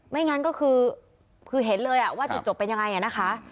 ไม่งั้นก็คือเห็นเลยอ่ะว่าจบเป็นยังไงอ่ะนะคะ